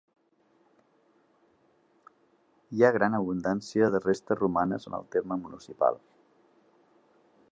Hi ha gran abundància de restes romanes en el terme municipal.